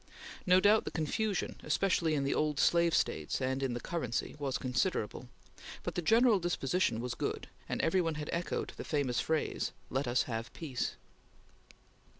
No doubt the confusion, especially in the old slave States and in the currency, was considerable, but, the general disposition was good, and every one had echoed that famous phrase: "Let us have peace."